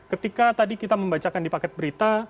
ketika tadi kita membacakan di paket berita